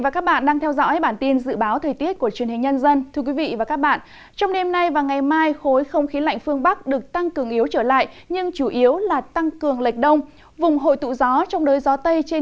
các bạn hãy đăng ký kênh để ủng hộ kênh của chúng mình nhé